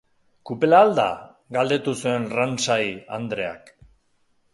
Kupela al da? Galdetu zuen Ramsay andreak.